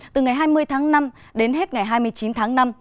từ ngày hai mươi tháng năm đến hết ngày hai mươi chín tháng năm